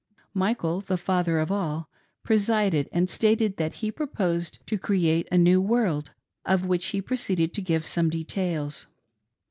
Michael, the father of all, presided, and stated that he proposed to create a new world, of which he proceeded to give some details.